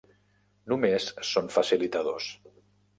Només són facilitadors.